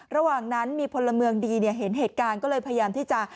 ระหว่างนั้นมีพลเมืองดีเห็นเหตุการณ์ก็เลยพยายามที่จะ